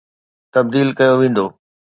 تبديل ڪيو ويندو.